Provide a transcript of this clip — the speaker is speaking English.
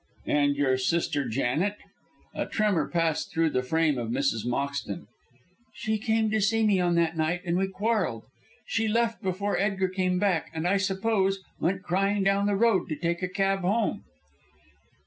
"And your sister Janet?" A tremor passed through the frame of Mrs. Moxton. "She came to see me on that night, and we quarrelled; she left before Edgar came back, and, I suppose, went crying down the road to take a cab home."